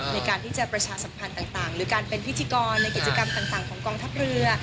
ในการที่จะประชาสัมพันธ์ต่างหรือการเป็นพิธีกรในกิจกรรมต่างของกองทัพเรือ